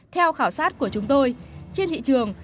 theo khảo sát của chúng tôi trên thị trường